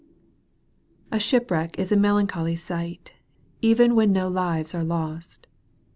A SHIPWRECK is a melancholy sight, even when no lives are lost.